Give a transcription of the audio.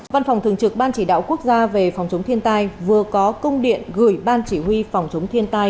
văn phòng thường trực ban chỉ đạo quốc gia về phòng chống thiên tai vừa có công điện gửi ban chỉ huy phòng chống thiên tai